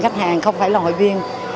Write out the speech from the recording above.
khách hàng không phải là hội viên